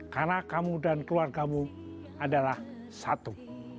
karena kamu dan keluargamu adalah satu